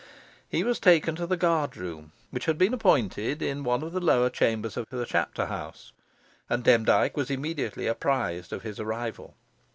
He was taken to the guard room, which had been appointed in one of the lower chambers of the chapter house, and Demdike was immediately apprised of his arrival.